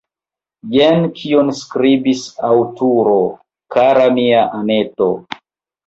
Jen kion skribis Arturo: « Kara mia Anneto!